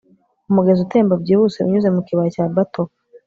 umugezi utemba byihuse unyuze mu kibaya cya batoka